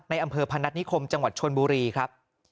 อำเภอพนัฐนิคมจังหวัดชนบุรีครับ